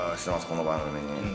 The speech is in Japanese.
この番組に。